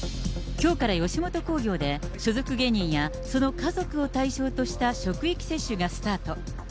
きょうから吉本興業で所属芸人やその家族を対象とした職域接種がスタート。